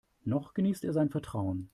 Noch genießt er sein Vertrauen.